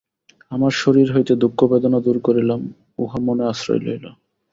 আমরা শরীর হইতে দুঃখবেদনা দূর করিলাম, উহা মনে আশ্রয় লইল।